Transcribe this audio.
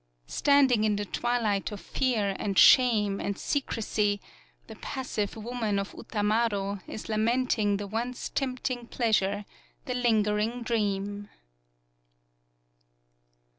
Standing in the twilight of fear and shame and se crecy, the passive Woman of Utamaro is lamenting the once tempting pleas ure, the lingering dream.